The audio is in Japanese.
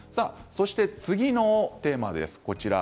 次のテーマです。